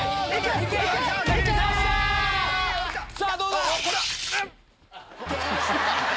さぁどうだ